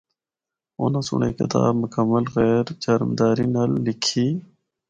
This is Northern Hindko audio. اُناں سنڑ اے کتاب مکمل غیر جانبداری نال لکھی۔